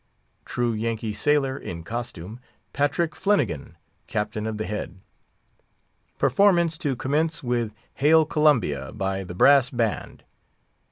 True Yankee Sailor (in costume), Patrick Flinegan, Captain of the Head. Performance to commence with "Hail Columbia," by the Brass Band.